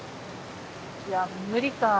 いや無理か。